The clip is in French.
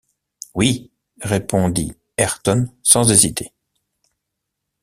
Oui, » répondit Ayrton sans hésiter.